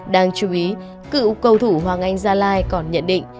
đáng chú ý cựu cầu thủ hoàng anh gia lai còn nhận định